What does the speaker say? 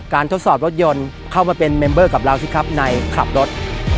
ทดสอบรถยนต์เข้ามาเป็นเมมเบอร์กับเราสิครับในขับรถ